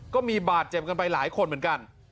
ก็มีบาดเจ็บกันไปหลายคนเหมือนกัน